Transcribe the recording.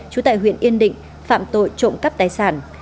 trú tại huyện yên định phạm tội trộm cắp tài sản